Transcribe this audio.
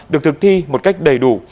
được thực thi một cách đầy đủ